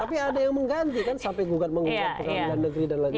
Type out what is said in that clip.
tapi ada yang mengganti kan sampai menggunakan perkembangan negeri dan lain lain